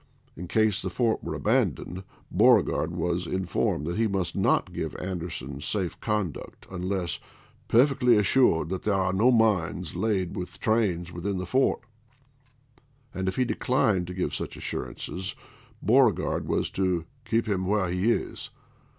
In case the fort were abandoned, Beauregard was informed he must not give Anderson safe conduct unless " perfectly assured that there are no mines laid with trains within the fort," and if he declined to give such assurances, Beauregard was to " keep him where he is."